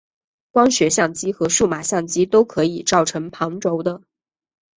光学相机和数码相机都可以造成旁轴的。